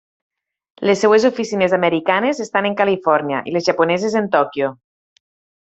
Les seues oficines americanes estan en Califòrnia, i les japoneses en Tòquio.